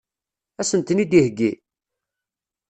Ad sen-ten-id-iheggi?